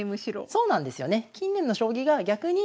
そうなんですよね。